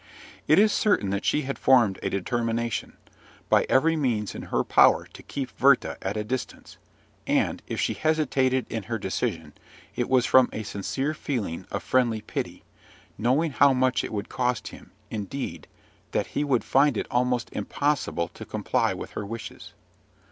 It is certain that she had formed a determination, by every means in her power to keep Werther at a distance; and, if she hesitated in her decision, it was from a sincere feeling of friendly pity, knowing how much it would cost him, indeed, that he would find it almost impossible to comply with her wishes.